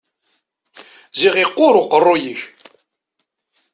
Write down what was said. Ziɣ iqqur uqeṛṛuy-ik!